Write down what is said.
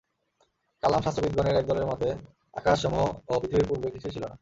কালাম শাস্ত্রবিদগণের একদলের মতে আকাশসমূহ ও পৃথিবীর পূর্বে কিছুই ছিল না।